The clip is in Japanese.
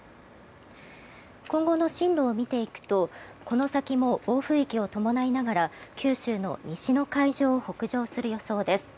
今後の進路を見ていくとこの先も暴風域を伴いながら九州の西の海上を北上する予想です。